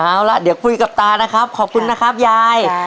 เอาล่ะเดี๋ยวคุยกับตานะครับขอบคุณนะครับยาย